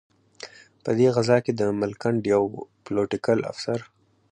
په دې غزا کې د ملکنډ یو پلوټیکل افسر.